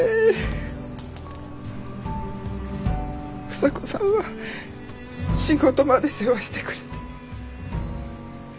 房子さんは仕事まで世話してくれて。